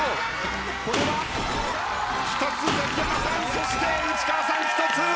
そして内川さん１つ。